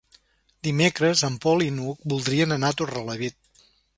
Dimecres en Pol i n'Hug voldrien anar a Torrelavit.